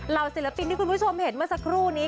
ศิลปินที่คุณผู้ชมเห็นเมื่อสักครู่นี้